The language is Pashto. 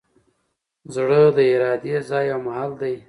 زړه د ارادې ځای او محل دﺉ.